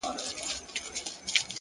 هره تېروتنه د پوهې سرچینه کېدای شي؛